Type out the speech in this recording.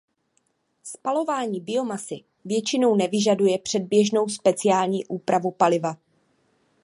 Spalování biomasy většinou nevyžaduje předběžnou speciální úpravu paliva.